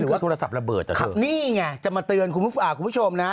ว่าโทรศัพท์ระเบิดนะครับนี่ไงจะมาเตือนคุณผู้ชมนะ